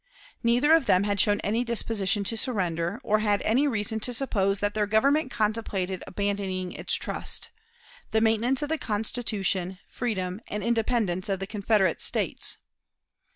Neither of them had shown any disposition to surrender, or had any reason to suppose that their Government contemplated abandoning its trust the maintenance of the Constitution, freedom, and independence of the Confederate States.